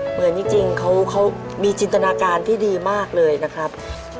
เหมือนจริงเขามีจินตนาการที่ดีมากเลยนะครับ